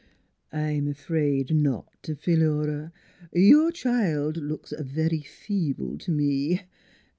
" I'm afraid not, Phi lura. Your child looks very feeble t' me.